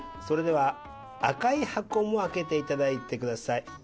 それでは赤い箱も開けていただいてください。